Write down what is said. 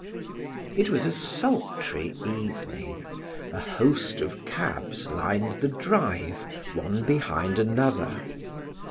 It was a sultry evening; a host of cabs lined the drive, one behind another.